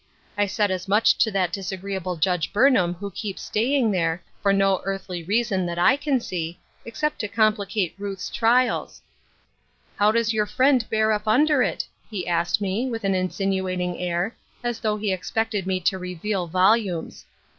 I said as much to that disagreeable Jiidgft Burnham who keeps staying there, foj no earthly reason, Side Issues. 3S bhat I can see, except to complicate Ruth's trials * How does your friend bear up under it?' he asked me, with an insinuating air, as though he expected me to reveal volumes.